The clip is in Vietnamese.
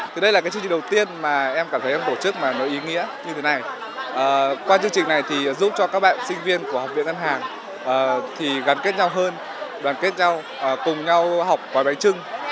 qua chương trình này thì giúp cho các bạn sinh viên của học viện ngân hàng thì gắn kết nhau hơn đoàn kết nhau cùng nhau học gói bánh trưng